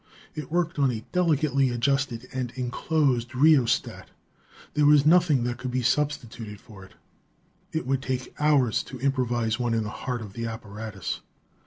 It worked on a delicately adjusted and enclosed rheostat; there was nothing that could be substituted for it. It would take hours to improvise one in the heart of the apparatus.